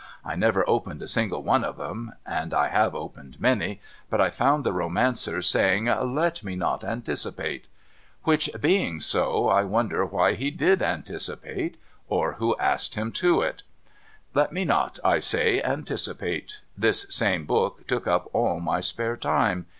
I never opened a single one of 'em — and I have opened many — but I found the romancer saying ' let me not anticipate.' Which being so, I wonder why he did anticipate, END OF THE TWO YEARS 397 or who asked him to it.) Let me not, I say, anticipate. This same book took up all my spare time.